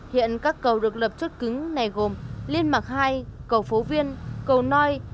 hiện các cầu được lập chốt cứng này gồm liên mạc hai cầu phố viên cầu noi